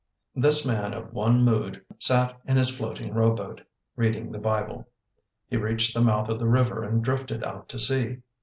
This man of one mood sat in his floating row boat, reading the Bible. He reached the mouth of the river and drifted out to sea.